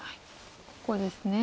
ここですね。